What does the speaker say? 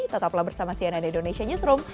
tetaplah bersama saya nanda indonesia newsroom